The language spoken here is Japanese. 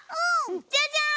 じゃじゃん！